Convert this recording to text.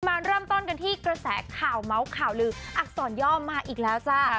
มาเริ่มต้นกันที่กระแสข่าวเมาส์ข่าวลืออักษรย่อมาอีกแล้วจ้า